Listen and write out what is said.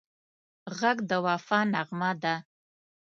غږ د وفا نغمه ده